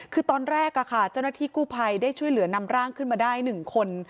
คือตอนแรกเจ้าหน้าที่กู้ภัยได้ช่วยเหลือนำร่างขึ้นมาได้๑คน